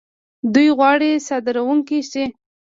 دوی غواړي صادرونکي شي.